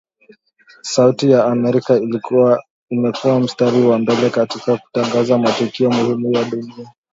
Sauti ya Amerika imekua mstari wa mbele katika kutangaza matukio muhimu ya dunia